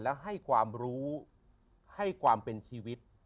แล้วให้ความรู้ให้ความเป็นชีวิต